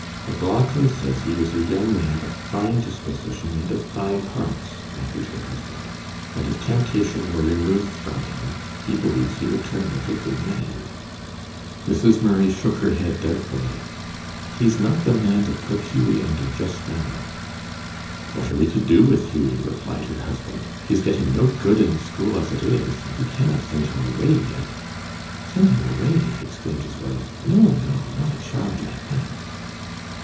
"MacLauchlan says he is a young man of fine disposition and of fine parts," argued her husband, "and if temptation were removed from him he believes he would turn out a good man." Mrs. Murray shook her head doubtfully. "He is not the man to put Hughie under just now." "What are we to do with Hughie?" replied her husband. "He is getting no good in the school as it is, and we cannot send him away yet." "Send him away!" exclaimed his wife. "No, no, not a child like that."